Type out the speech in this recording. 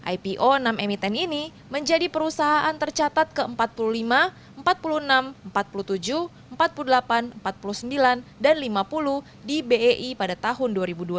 ipo enam emiten ini menjadi perusahaan tercatat ke empat puluh lima empat puluh enam empat puluh tujuh empat puluh delapan empat puluh sembilan dan lima puluh di bei pada tahun dua ribu dua puluh